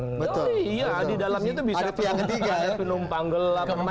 oh iya di dalamnya itu bisa penumpang gelap